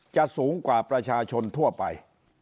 สูงกว่าประชาชนทั่วไป